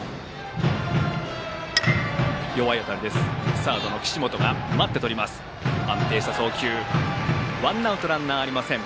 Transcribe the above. サードの岸本がとって安定した送球でワンアウト、ランナーありません。